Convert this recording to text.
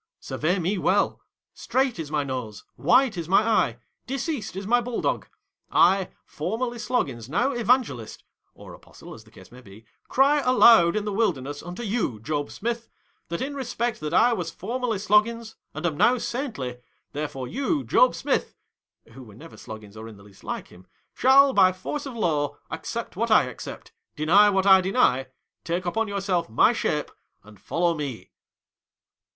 Survey me well. Straight is my nose, white is my eye, deceased is my bulldog. I, formerly Sloggins, now Evangelist (or Apostle, as the case may be), cry aloud in the wilderness unto you Job Smith, that in respect that I was formerly Sloggins and am now Saintly, therefore j'ou Job Smith (who were never Sloggins, or in th e least like him), shall, by force of law, accept what I accept, deny what I deny, take upon yourself My shape, and follow Me."